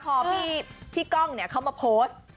พอพี่ก้องเขามาโพสต์